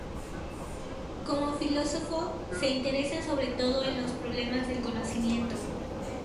Como filósofo, se interesa sobre todo en los problemas del conocimiento.